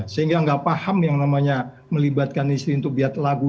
sehingga nggak paham yang namanya melibatkan istri untuk lihat lagu